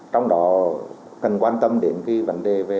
trong đó cần quan tâm đến vấn đề về